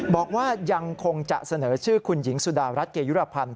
บอกว่ายังคงจะเสนอชื่อคุณหญิงสุดารัฐเกยุรพันธ์